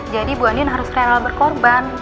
jadi bu andin harus renal berkorban